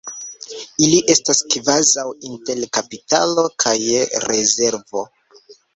Ili estas kvazaŭ inter kapitalo kaj rezervo.